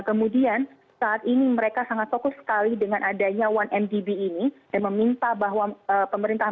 kemudian saat ini mereka sangat fokus sekali dengan adanya satu mdb ini dan meminta bahwa pemerintah